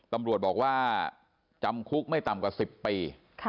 ตำรวจบอกว่าจำคุกไม่ต่ำกว่า๑๐ปี